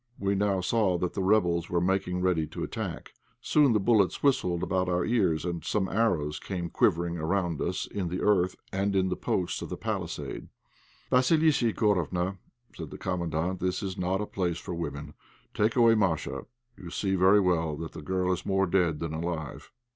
We now saw that the rebels were making ready to attack. Soon the bullets whistled about our ears, and some arrows came quivering around us in the earth and in the posts of the palisade. "Vassilissa Igorofna," said the Commandant, "this is not a place for women. Take away Masha; you see very well that the girl is more dead than alive."